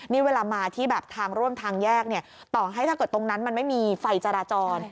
นี่เวลามาที่แบบทางร่วมทางแยกเนี่ยต่อให้ถ้าเกิดตรงนั้นมันไม่มีไฟจราจร